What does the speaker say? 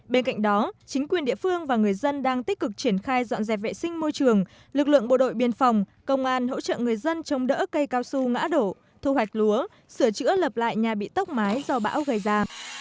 bên cạnh đó chính quyền địa phương và người dân đang tích cực triển khai dọn dẹp vệ sinh môi trường lực lượng bộ đội biên phòng công an hỗ trợ người dân chống đỡ cây cao su ngã đổ thu hoạch lúa sửa chữa lập lại nhà bị tốc mái do bão gây ra